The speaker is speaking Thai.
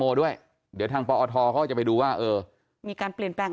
ด้วยเดี๋ยวทางปอทเขาก็จะไปดูว่าเออมีการเปลี่ยนแปลง